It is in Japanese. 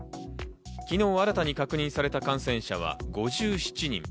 昨日新たに確認された感染者の数は５７人。